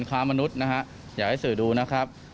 ค้ามนุษย์นะฮะอยากให้สื่อดูนะครับ